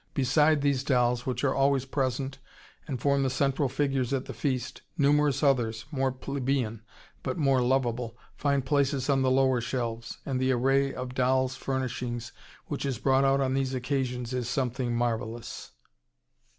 Beside these dolls, which are always present and form the central figures at the feast, numerous others, more plebeian, but more lovable, find places on the lower shelves, and the array of dolls' furnishings which is brought out on these occasions is something marvelous....